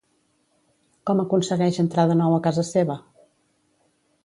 Com aconsegueix entrar de nou a casa seva?